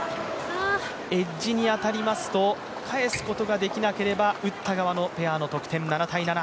エッジに当たりますと返すことができなければ打った側のペアの得点。